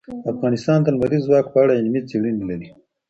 افغانستان د لمریز ځواک په اړه علمي څېړنې لري.